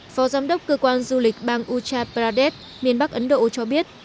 phó giám đốc cơ quan du lịch bang uttar pradesh miền bắc ấn độ cho biết